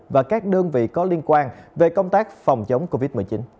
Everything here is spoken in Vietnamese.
và các đơn vị có liên quan về công tác phòng chống covid một mươi chín